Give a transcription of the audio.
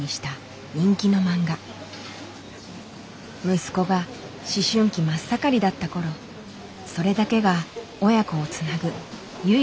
息子が思春期真っ盛りだった頃それだけが親子をつなぐ唯一の話題だったという。